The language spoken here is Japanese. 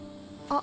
あ？